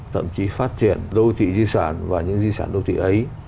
thậm chí phát triển đô thị di sản và những di sản đô thị ấy